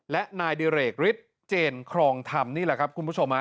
และนายดิเรกฤทธิ์เจนครองธรรมนี่แหละครับคุณผู้ชม